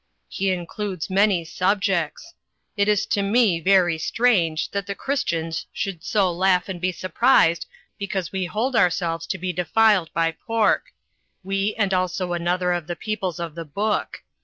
"He includes many subjects. It is to me very strange that the Christians should so laugh and be surprised because we hold our selves to be defiled by pork; we and also another of the Peoples of the Book.